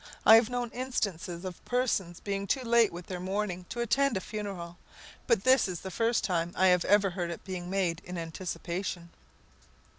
"I have known instances of persons being too late with their mourning to attend a funeral, but this is the first time I ever heard of it being made in anticipation."